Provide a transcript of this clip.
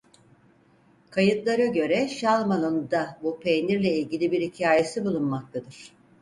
Kayıtlara göre Şarlman'ın da bu peynirle ilgili bir hikâyesi bulunmaktadır.